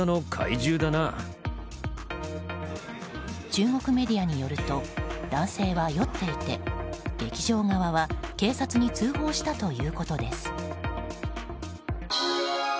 中国メディアによると男性は酔っていて劇場側は警察に通報したということです。